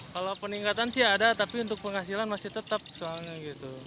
kalau peningkatan sih ada tapi untuk penghasilan masih tetap soalnya gitu